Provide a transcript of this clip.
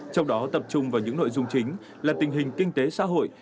trong đó tập trung vào những nội dung chính là tình hình kinh tế xã hội